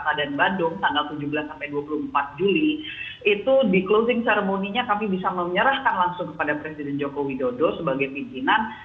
kota dan bandung tanggal tujuh belas sampai dua puluh empat juli itu di closing ceremony nya kami bisa menyerahkan langsung kepada presiden joko widodo sebagai pimpinan